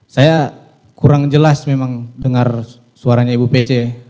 saya kurang jelas memang dengar suaranya ibu pece